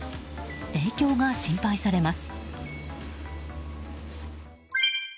影響が心配されます。